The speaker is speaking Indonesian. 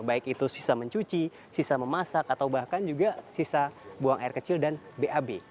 baik itu sisa mencuci sisa memasak atau bahkan juga sisa buang air kecil dan bab